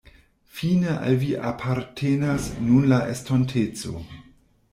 Fine al vi apartenas nun la estonteco.